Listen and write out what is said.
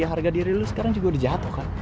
harga diri lo sekarang juga udah jatuh kan